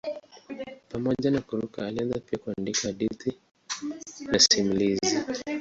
Pamoja na kuruka alianza pia kuandika hadithi na masimulizi.